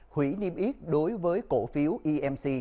hủy niêm yết đối với cổ phiếu emc